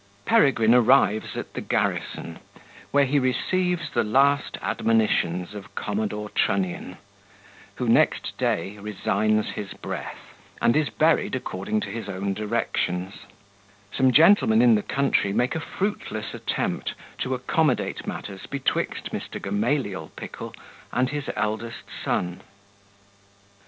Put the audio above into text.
Peregrine arrives at the Garrison, where he receives the last Admonitions of Commodore Trunnion, who next Day resigns his Breath, and is buried according to his own Directions Some Gentlemen in the Country make a fruitless Attempt to accommodate Matters betwixt Mr. Gamaliel Pickle and his eldest Son.